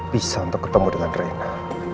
bisa untuk ketemu dengan mereka